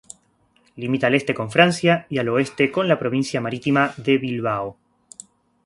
Limita al este con Francia y al oeste con la provincia marítima de Bilbao.